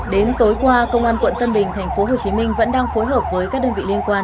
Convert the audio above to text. đến tối qua công an quận tân bình tp hcm vẫn đang phối hợp với các đơn vị liên quan